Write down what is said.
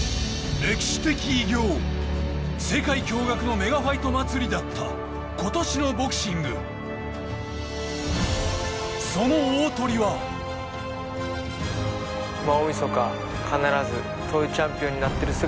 歴史的偉業世界驚愕のメガファイト祭りだった今年のボクシングその大トリは必ずと思ってます